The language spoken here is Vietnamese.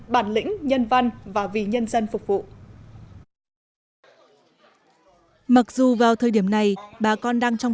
bản lĩnh nhân văn và vì nhân dân phục vụ mặc dù vào thời điểm này bà con đang trong